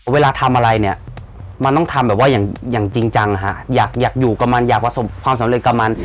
เวลาทำอะไรเนี่ยมันต้องทำแบบว่าอย่างจริงจังฮะอยากอยู่กับมันอยากประสบความสำเร็จกับมัน